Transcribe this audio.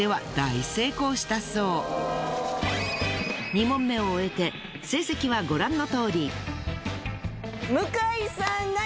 ２問目を終えて成績はご覧のとおり。